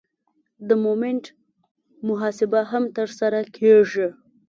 د مومنټ محاسبه هم ترسره کیږي